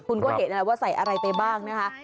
คุณก็เห็นแล้วว่าใส่อะไรไปบ้างนะคะ